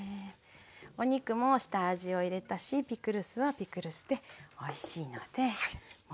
お肉も下味を入れたしピクルスはピクルスでおいしいのでもうこれで。